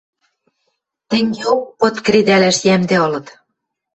Тӹнгеок пыт кредӓлӓш йӓмдӹ ылыт...